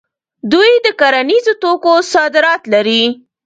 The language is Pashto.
دوی د کرنیزو توکو صادرات لري.